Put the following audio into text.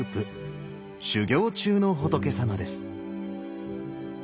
修行中の仏さまです。